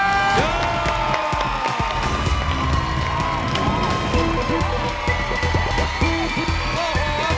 เย้